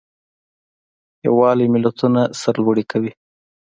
یووالی ملتونه سرلوړي کوي.